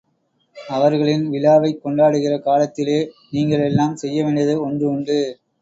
அவர்களின் விழாவைக் கொண்டாடுகிற காலத்திலே நீங்கள் எல்லாம் செய்யவேண்டியது ஒன்று உண்டு.